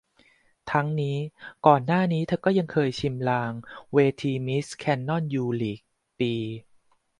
ทั้งนี้ ก่อนหน้านี้เธอก็ยังเคยชิมลางเวทีมิสแคนนอนยูลีก ปี